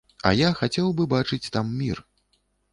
А я хацеў бы бачыць там мір.